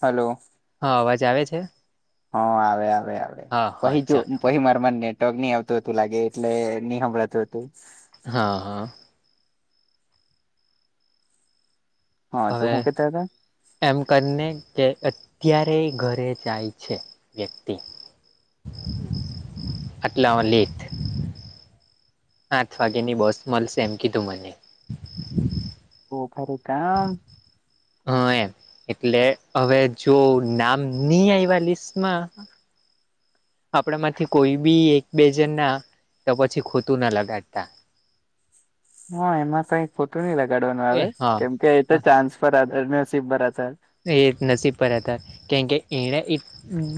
હાલો. હા અવાજ આવે છે? હ આવે આવે આવે, હા હા પહી જો ચાલો પહિ માર મા નેટ ટોક આવતું લાગે એટલે ની સંભળાતું હતું. હા હ. હા તો હવે હું કેતા તા. એમ કરીને કે અત્યારે ઘરે જાય છે વ્યક્તિ. આટલા લેટ? આઠ વાગે ની બસ મળશે એમ કીધું મને. ઓ ખર કામ. હા એમ એટલે હવે જો નામ ની આવ્યા લિસ્ટમાં આપણા માંથી કોઈ બી એક બે જણ ના તો પછી ખોતું ના લગાડતા. [inaudible] હા એમાં કઈક ખોતું નહી લગાડવાનું એ આવે હા કેમકે એ તો ચાન્સ પર આધાર નસીબ પર આધાર એક નસીબ પર હતા. કેમકે એણે એ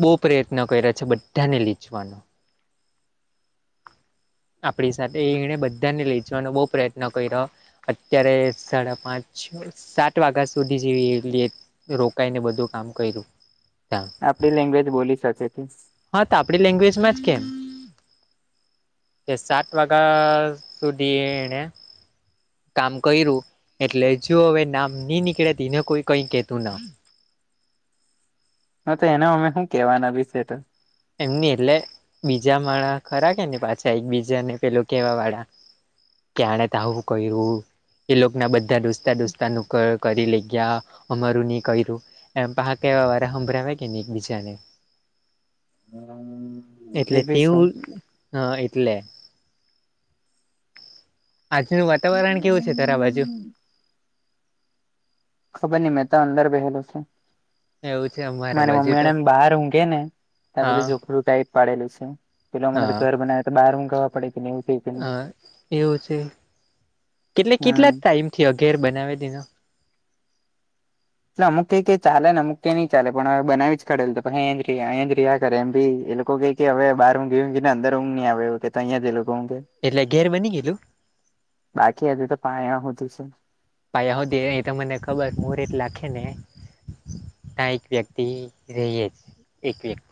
બહુ પ્રયત્ન કર્યા છે બધાને લીચવાનો. આપણી સાથે એને બધાને લઈ જવાનો બહુ પ્રયત્ન કર્યો. અત્યારે સાડા પાંચ સાત વાગ્યા સુધી જેવી એટ રોકાઈને બધું કામ કર્યું, કાલ. આપડી લેંગ્વેજ બોલી શકે છે. હા તો આપણી લેંગ્વેજમાં જ કેમ? એ સાત વાગ્યા સુધી એને કામ કર્યું એટલે જો હવે નામ નહી નીકળ્યા એને કોઈ કઈ કેતું ના. હ તો એનો અમે શું કેવાના બીશે તો. એમની એટલે બીજા માળા ખરા કે ને પાછા એક બીજાને પેલું કેવા વાળા. કે આણે આવું કર્યું એ લોકો ના બધા દોસ્તા દોસ્તાન ઉપર કરી લઈ ગયા અમારું નહીં કર્યું એમ પા કહેવા વાળ હંભડાવે કે નહીં એકબીજાને. એટલે એ બી તેવ છું હ એટલે. આજનું વાતાવરણ કેવું છે તારા બાજુ? ખબર નહી મેં તો અંદર બેહેલો છું. એવું છે અમારા મારી બાજુ મમ્મી તો એને એમ બહાર ઊંઘે ને તા હા ઝૂપડું કાઈ. પાડેલું છે પેલા મને તો ઘર બનાવે તો બાર હું ગ પડે કેનેવું અ એવું છે કેટલે કેટલા હમ ટાઈમથી અઘેર બનાવી દીનો? એટલે અમુક કઈ ક ચાલે ને અમુ ક નઈ ચલે હ બનાવી જ કરડેલ તોછ એ એ રિયા કરે એમ ભી એ લોકો ક કે હવે બાર હું ગયું કે ને અંદર હું ની આવે એલે તો અહીંયા જ એ લોકો હુંગે. એટલે ઘેર બની ગયેલું? બાકી હતી તો પાણી હોતી. પાયા હુદિ રે એ તો મને ખબર મુરત લાખે ને તા એક વ્યક્તિ રેઅજ એક વ્યક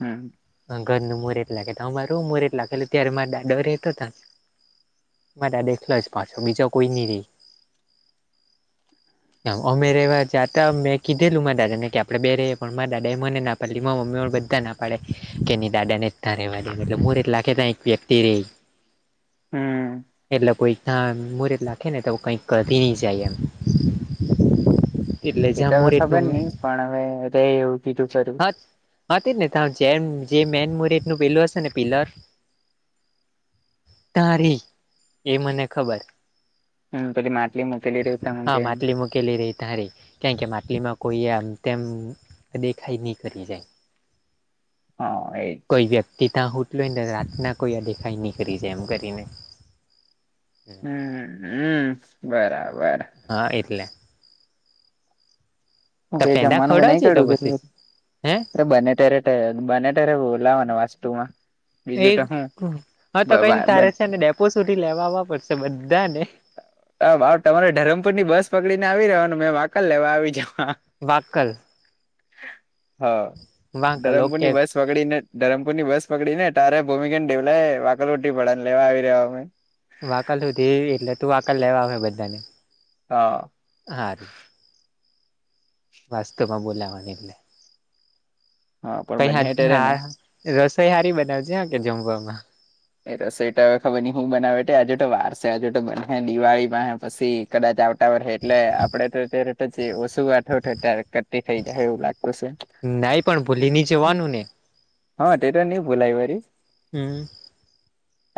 હમ. અ ધર નુ મુરટ લાખે તો, અમારુ હો મુરટ લાખેલુ ત્યારે માર દાદો રેતો તા માર દાદો એખલો જ પાછો બીજો કોઈ ની રેય [unintelligible] અમે રેવા જાતા મેં કીધેલું માર દાદાને કે આપળે બે રેએ પણ માર દાદા એ મને ના પરલી માર મમ્મી વન બધાં ના પાળે કેની દાદા નેજ તા રેવા દે એટલે મુરટ લાખે તા એક વ્યક્તિ રેય હમ એટલે કોઈ તા મુરત લાખે ને તા આવું કઈક કરી ની જાય એમ એટલે એ જ્યાં તો મુરત ખબર નું ની પણ અવે જએ એવું કીધું ખરું હા હા તેજ ને તા જેમ જે મેન મુરેત નું પેલું અશે ને પિલર તા રે એ મને ખબર. હમ્મ, પેલી માટલી મુકેલી રેય તા ઉંઘે એમ. કેલી રેય તા રેય કેમ કે માટલીમાં કોઈએ આમ તેમ દેખાય ની કરી જાય. હા એ જ. કોઈ વ્યક્તિ ત્યાં હુંટલુ ઓય તો રાતના કોઈ અ દેખાય ની કરી જાય એમ કરીને. હમ્મ અમ્મ બરાબર. હા એટલે. હું તો કેય પેંડા જંમાનુ બનાય ખવડાવજે તો ક્યાળુ કે પછી રસ, હે બને ત્યારે એ બને તેરે બોલાવાના વાસ્તુ માં. એવ હમ હા તો કઈ ની બ તારે છે ને ડેપો સુધી લેવા આવા પડશે બધા ને. અ [unintelligible] તમારે ધરમપુર ની બસ પકળી ને આવી રેવાનું મેં વાકલ લેવા આવી જવા. વાકલ? હ વાંકલ ધરમપુર ઓકે ની બસ પકળીને ધરમપુરની બસ પકળીને તારે ભૂમિકાને, દેવલા એ વાંકલ હુધી ઉતરી પડાન, લેવા આવી રેવા અમે. વાકલ હુધી એટલે તું વાકલ લેવા આવહે બધા ને. હા. હારું વાસ્તુમાં બોલાવાની એટલે, હા પણ કૈય બને હાજ ત્યારે ને હા રસોઈ હારી બનાવ જે હા કે જમવામાં. એ રસોઈ તો અવે ખબર ની હું બનાવે તે અજુ તો વાર સે અજુ તો બંનહે દિવાળી પહે પસી કદાચ આવ કા વરહે એટલે આપળે તો અત્યારે તો જે ઓસુ વાત હો થત્યારે તો કટ્ટી થય જાહે એવું લાગતું સે. નય પણ ભૂલી ની જવાનું ને. હા તે ટો ની ભુલાય વરી. હમ્મ.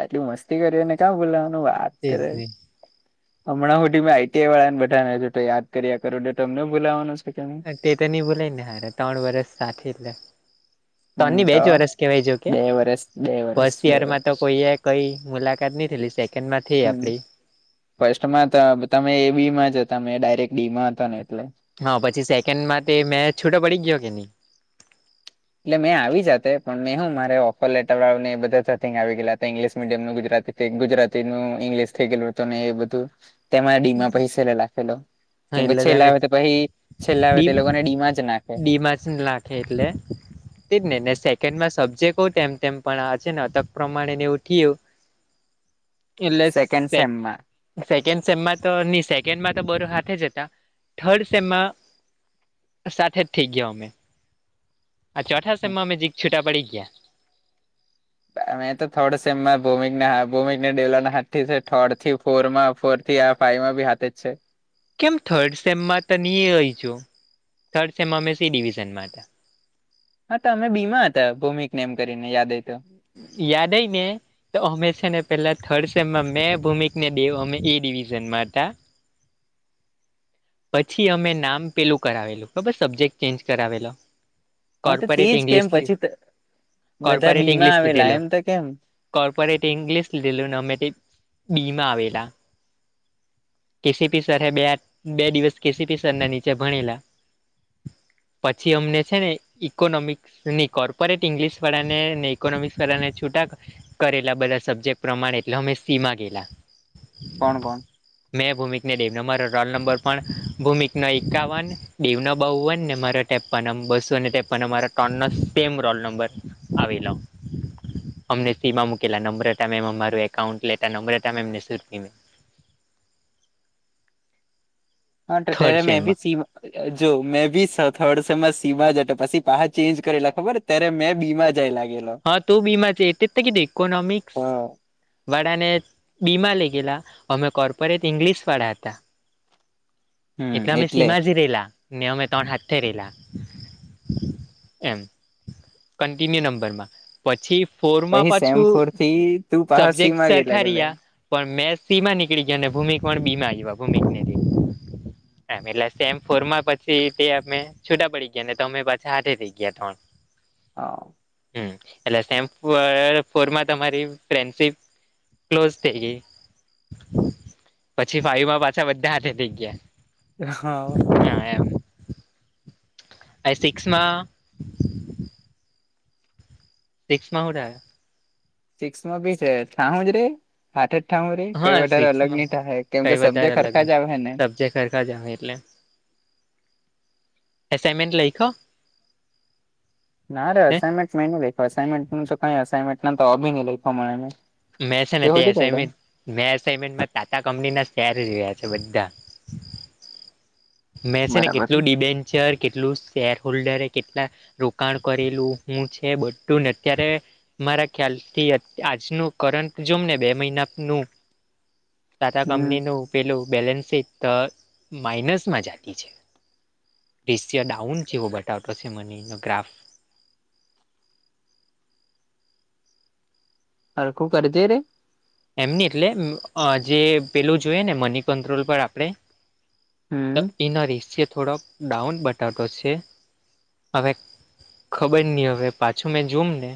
આટલી મસ્તી કરી હોય ને કા બોલાવાનું વાત તેજ કરે હમણાં હુધી મે આઈ ટી આઈ વાળા ને બધાને અજુ તો યાદ કર્યા કરું, ટો તમને બોલાવાનો છે કે મેં. નહી તે તો ની બુલાય ને હારા ત્રણ વરસ સાથે એટલે તોન હમ ની તો બેજ વરસ કેવાય જો કે બે વરસ બે વરસ ફર્સ્ટ બે યર માં તો વરસ કોએ કઈ મુલાકાત ની થેલી, સેકેન્ડ માં થેય હમ આપળી. ફર્સ્ટમાં તો તમે એ બી માં જ હતા મેં ડાયરેક્ટ ડી માં હતો ને એટલે. હા પછી સેકેન્ડ માં તે મેં છૂટો પળી ગ્યો કે ની એટલે મેં આવી જાતે પણ મેં હું મારે ઓફર લેટર વાળુ ને એ બધા ધતિંગ આવી ગેલા હતા ઈંગ્લિશ મીડિયમ નું ગુજરાતી તે ગુજરાતી નુ ઇંગ્લિશ થે ગેલું હતુ ને એ બધું તેમાં ડીમા શેલે લખેલું. હા કેમ કે એટલે છેલ્લા તમે આવે તો પહી, છેલ્લે આવે તો એ લોકોને ડી માં જ નાખે. ડી માં જ નાખે એટલે. તે જ ને. ને સેકન્ડમાં સબ્જેકટો તેમ-તેમ, પણ આ છે ને અટક પ્રમાણે ને એવું થયું. એટલે સેકન્ડ સેક, સેમમાં સેકન્ડ સેમમાં તો ની, સેકેન્ડમાં તો બધુ હારૂ સાથે જ હતા. થર્ડ સેમમાં સાથે જ થઈ ગયા અમે. આ ચોથા સેમમાં અમે જીરીક છૂટા પડી ગયા. અમે તો થર્ડ સેમમા ભૌમિક ને હા, ભૌમિક ને ડેવલાં હાથ થી સે. થર્ડ થી ફોરમાં. ફોર થી આ ફાઈવમાં બી હાથે જ છે. કેમ થર્ડ સેમમાં તો ની હોઈ છું. થર્ડ સેમમાં અમે સી-ડીવિઝનમાં હતાં. હા તમે બી માં હતા. ભૌમિકને એમ કરીને યાદ હોય તો. યાદ હોય ને તો અમે સે ને પહેલા થર્ડ સેમમાં મેં, ભૌમિક, ને દેવ અમે એ-ડિવિઝનમાં હતા. [inaudible] પછી અમે નામ પહેલું કરાવેલું. ખબર સબ્જેક્ટ ચેન્જ કરાવેલો? હા તો તેજ કોર્પોરેટ કેમ. ઇંગ્લિશ પછી તો બધા કોર્પોરેટ બી માં ઇંગ્લિશ આવેલા, લીધેલો એમ તો કેમ. કોર્પોરેટ ઇંગ્લિશ લીધેલું, ને અમે [unintelligible] બી માં આવેલા. કે સી પી સરે બે [unintelligible] બે દિવસ કે સી પી સર ના નીચે ભણેલા. પછી અમને છે ને ઈકોનોમિક, ની કોર્પોરેટ ઇંગ્લિશવાળા ને, ને ઇકોનોમિકસાવાળાને છૂટા કરેલા બધા સબ્જેક્ટ પ્રમાણે, એટલે અમે સી માં ગયેલાં. કોણ-કોણ? મેં, ભૌમિક ને દેવ. અમારો રોલ નંબર પણ, ભૌમિક નો એકાવન દેવનો બાવ વન, ને મારા ત્રેપન, અમ બસો ને ત્રેપન. અમારા ત્રણ નો સેમ રોલ નંબર આવેલો. અમને સી માં મુકેલાહ નમ્રતા મેમ અમારુ એકાઉન્ટ લેતા. નમ્રતા મેમ ને સુરભી મેમ. હા તો ત્યારે થર્ડ મેં બી સેમમાં સીમાં જો મેં સ થર્ડ બી સેમમાં સી માં જ હતો. પછી [unintelligible] ચેન્જ કરેલા ખબર? ત્યારે મેં બી માં જાય લાગેલો. તું બી માં છે. તેજ [unintelligible] ઇકોનોમિક્સ હા વાળાને બી માં લઈ ગયેલા. અમે કોર્પોરેટ ઇંગ્લિશ વાળા હતા. એટલે અમે સી માં જ રહેલા. ને અમે તણ હાથે રહેલા. એમ. કન્ટિન્યુ નંબરમાં. પછી ફોર માં પછી સેમ પાછું, ફોર થી તું પાહા સબજેક્ટ સીમાં ગઈ સરખા લાગેલો રહ્યા. પણ મે સી માં નીકળી ગયા, ને ભૌમિક પણ બી માં આવ્યા, ભૌમિક ને દેવ. એમ. એટલે સેમ ફોર માં પછી તે અમે છૂટા પડી ગયા ને તમે પાછા હાથે ગયા ત્રણ. હા. હમ્મ. એટલેે સેમ ફ ફોરમાં તમારી ફ્રેન્ડશીપ ક્લોઝ થઈ ગઈ. પછી ફાઈમાં પાછા બધા હાથે થઇ ગયા. હા. એમ. અને સિક્સમાં સિક્સ માં હુ થયું? સિક્સમાં બી [unintelligible] હાથે જ થાવું રે, કઈ હા વધારે અલગ સિક્સમાં નીં થાહે. કેમ કઈ કે વધારે સબજેકટ અલગ હરખા જ આવે ને. સબ્જેક્ટ સરખા જ આવહે એટલે. એસાઈમેન્ટ લઈખો. ના રે અસાનમેન્ટ મેં લયખો. અસાઈમેન્ટનુ તો કાંઈ અસાઇમેન્ટ તો ભી ની લઈખો મળે. મેં છે ને તે એસાઇમેન્ટ, મેં એસાનમેન્ટમાં ટાટા કંપનીના શેર લેઈ લીધા છે બધા. મેં છે ને બરાબર કેટલું ડિબેન્ચર, કેટલું શેર હોલ્ડર એ કેટલા રોકાણ કરેલું હું છે બધું ને અત્યારે મારા ખ્યાલથી આજનું કરંટ જોમ ને, બે મહિનાનું. ટાટા હમ કંપનીનું પેલું બેલેન્સ શીટ તો માઈનસ. મા જાતી છે પ્રેસર ડાઉન જેવું બતાવતું મને એનો ગ્રાફ. હરખું કરતી રે. એમ ની એટલે અ જે પેલું જુએ ને મની કંટ્રોલ પર આપણે. તો હમ એનો રેશિયો થોડોક ડાઉન બતાવતો છે. હવે ખબર ની, હવે પાછું મેં જોમ ને.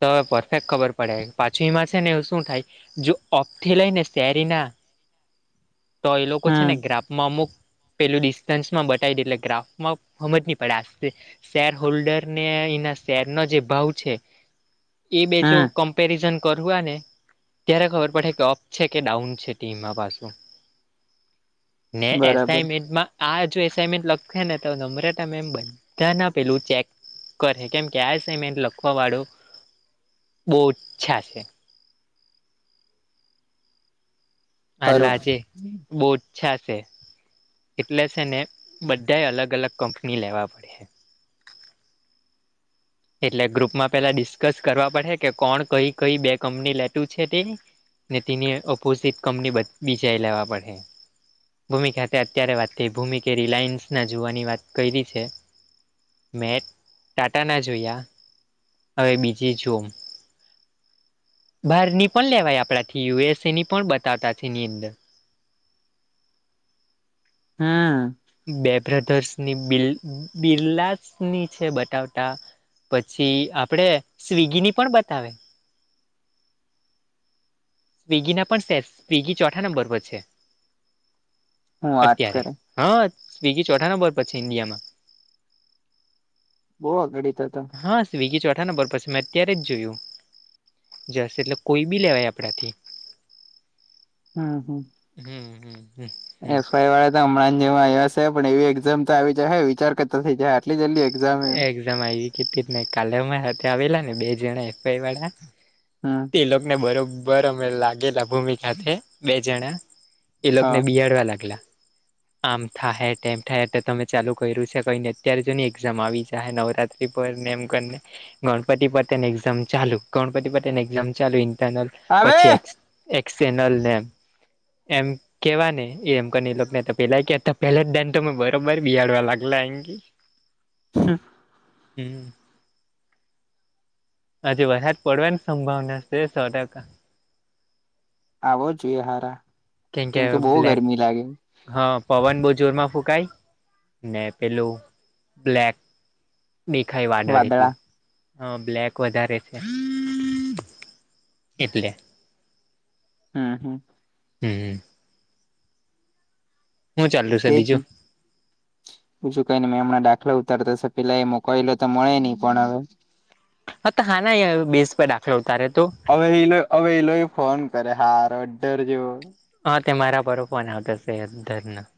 તો પરફેક્ટ ખબર પડે. પાછુ એમાં છે ને શું થાય, જો ઓફથી લઈને શેર એના. તો એ લોકો છે ને હમ ગ્રાફમાં અમુક પેલું ડિસ્ટન્સમાં બતાવી દે. એટલે ગ્રાફમાં હમજ ની પડે. [unintelligible] શેરહોલ્ડરને એના શેરનો જે ભાવ છે એ બે જો કંપ હમ કમપેરીઝન કરવાને, ત્યારે ખબર પડહે કે અપ છે કે ડાઉન છે તેમાં પાછું. ને બરાબર એસાઈમેન્ટમા આ જો એસાઈનમેન્ટ લખહે ને, તો નમ્રતા મેમ બધાનું પેલું ચેક કરહે. કેમ કે આ અસાઇમેન્ટ લખવા વાળુ બઉ ઓછા છે. એટલે હારું આજે બો ઓછા છે. એટલે છે ને, બધાએ અલગ-અલગ કંપની લેવી પડહે. એટલે ગ્રુપમાં પહેલાં ડિસ્કસ કરવા પડહે, કે કોણ કઈ-કઈ બે કંપની લેતું છે તે. ને તેની ઓપોઝિટ કંપની બીજાએ લેવા પડહે. ભૂમિકા હાથે અત્યારે વાત થઇ. ભૂમિ કે રિલાયન્સની જોવાની વાત કયરી છે. મે ટાટા ના જોયા. હવે બીજે જોમ. બહારની પણ લેવાય આપણાથી. યુએસએની પણ બતાવતા છે એની અંદર. હમ. બે બ્રધર્સની બિર બિરલાસની છે બતાવતા. પછી આપણે સ્વિગીની પણ બતાવે. સ્વિગીના પણ શેર. સ્વિગી ચોથા નંબર પર છે હું વાત અત્યારે. કરે હા, સ્વિગી ચોથા નંબર પર છે ઇન્ડિયામાં. બો અગાડી તો તો. હા, સ્વિગી ચોથા નંબર પર છે, મેં અત્યારે જ જોયું. [unintelligible] એટલે કોઈ બી લેવાય આપણાથી. હમ હમ. હમ હમ. હમ એફઆઈવાળા તો હમણાં જ જેવા આવ્યા છે. પણ એવી એક્ઝામ તો આવી જાહે વિચાર કર. તો થઇ જાહે. આટલી જલ્દી એક્ઝામ એમ? [unintelligible] કાલે અમે હાથે આવેલા ને બે જણા એફઆઈવાળા. હા. તે લોકોને બરાબર અમે લાગેલા, ભૂમિકા હાથે બે જણા. એ હા લોકને બિયાડ વાલા કિલા આમ થાયે, એમ થાયે, તમે ચાલુ કર્યું છે કંઈને? અત્યારે જુઓ ને એક્ઝામ આવી જાય નવરાત્રી પર ને, એમ કરીને ગણપતિ પતે ને એક્ઝામ ચાલુ, ગણપતિ પતે ને એક્ઝામ ચાલુ, ઇન્ટરનલ આવે પછી એક એક્સટર્નલ ને એમ કેવા ને એમ કરીને, એ લોક તો પેહલા એને પહેલાં દાડ તમે બરોબર બેહાડવા લાગલા, એમ કા ને હમ હમ આજે વરહાદ પડવાની સંભાવના છે, થોડોક આવવો જોઈએ હારા, કેમકે બોવ ગરમી લાગી. હા, પવન બોવ જોરમાં ફૂંકઈ ને પેલું બ્લેક દેખાય વાદળ વાદળા એટલે હા, બ્લેક વધારે, એટલે આ.. હ.. હમ્મ હું ચાલે સે બીજું? બીછું કઈ નઈ, મેં હમણા દાખલો ઉતારતા હશે પેલા એ મોકલો તો મળે નહીં પણ હવે. હ.. તો હા ના બેઝ પર દાખલો ઉતર્યો તો હવે એને હવે એઈલોય ફોન કરે હાર અ ડર જેવો. હા, તે મારા પર ફોન આવતા હશે હદધર ના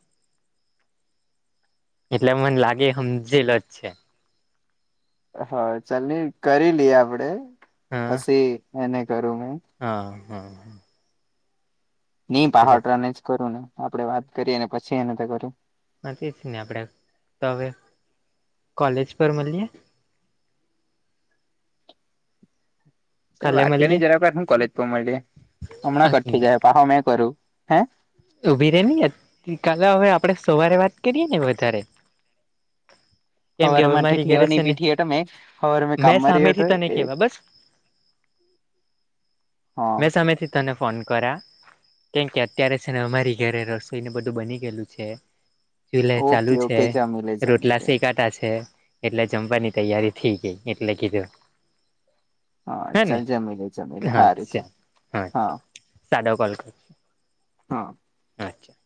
એટલે મને લાગે એ સમજેલ જ છે. હ ચાલ નઈ કરી લઈએ આપડે, હા પછી એને કરું મે હા.. હા ઈ હા પહાડરા ને જ કરું ને આપડે વાત કરીએ ને, પછી એને તો કરું હા, તે જ ને આપણેે, તો હવે કોલેજ પર મલીએ. તે કાલે વાત કરી મળીએ જરા હું કોલેજ પર મળીયે, હમણાં કઠી જાય પહો મેં કરું, હે. એ ઉભી રે નેલી અત, તો કાલે હવે આપડે સવારે વાત કરીએ ને વધારે [inaudible] કેમ કે હવારે હવે મારથી મારી થીયો ઘરે ની છે ને, પીઠી હતો મેં હવારે મેં કામમાં સામે રહ્યો હતો થી તને એ કેવા બસ હા મેં સામે થી તને ફોન કર્યા કેમ કે, અત્યારે છે ને અમારી ઘરે રસોઈ ને બધું બની ગયેલું છે. એટલે ચાલુ ઓકે છે, ઓકે જમી લે જમી રોટલા લે શેકાતા છે. એટલે જમવાની તૈયારી થઇ ગઈ એટલે કીધું. હા, હે ને ચાલ જમી લે-જમી લે, હા હાર ચલ, અચ્છા હા ચાલ, સાદો કોલ કર હા અચ્છા